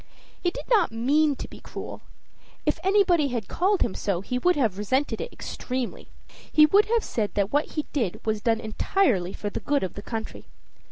He did not mean to be cruel. If anybody had called him so, he would have resented it extremely: he would have said that what he did was done entirely for the good of the country.